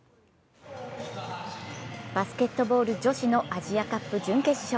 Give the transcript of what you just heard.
バスケットボール女子のアジアカップ準決勝。